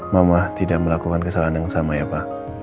mama tidak melakukan kesalahan yang sama ya pak